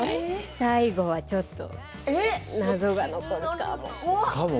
最後はちょっと謎が残るかも。